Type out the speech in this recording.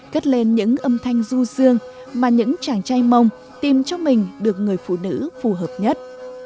cất lên những âm thanh du dương mà những chàng trai mông tìm cho mình được người phụ nữ phù hợp nhất